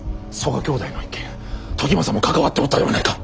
曽我兄弟の一件時政も関わっておったではないか。